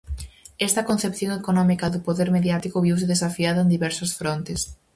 Esta concepción económica do poder mediático viuse desafiada en diversas frontes.